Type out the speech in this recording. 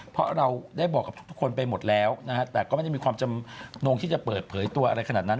เพราะเราได้บอกกับทุกคนไปหมดแล้วนะฮะแต่ก็ไม่ได้มีความจำนงที่จะเปิดเผยตัวอะไรขนาดนั้น